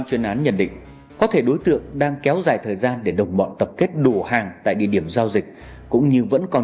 dù là nhỏ nhất của các đối tượng đều không qua mất được lực lượng trinh sát bàn theo